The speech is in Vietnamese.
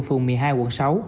phường một mươi hai quận sáu